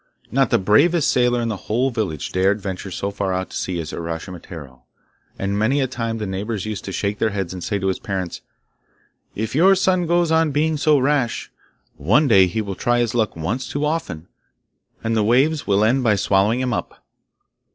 Not the bravest sailor in the whole village dared venture so far out to sea as Uraschimataro, and many a time the neighbours used to shake their heads and say to his parents, 'If your son goes on being so rash, one day he will try his luck once too often, and the waves will end by swallowing him up.